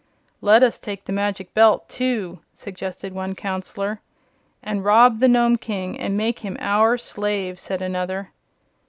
"Let us take the Magic Belt, too," suggested one counselor. "And rob the Nome King and make him our slave," said another.